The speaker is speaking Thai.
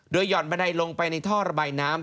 โดยห่อนบันไดลงไปในท่อระบายน้ำ